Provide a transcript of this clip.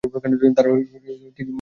তারা তিনজনই অভিনেতা।